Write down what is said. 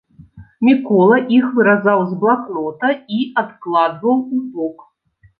Мікола іх выразаў з блакнота і адкладваў убок.